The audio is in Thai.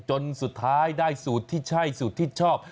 จนสุดท้ายได้สูตรที่ใช่สูตรที่ชอบ